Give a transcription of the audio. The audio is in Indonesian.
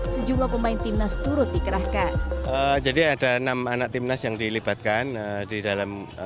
sejumlah pemain timnas turut dikerahkan jadi ada enam anak timnas yang dilibatkan di dalam